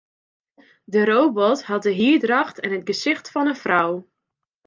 De robot hat de hierdracht en it gesicht fan in frou.